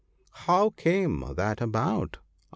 " How came that about ?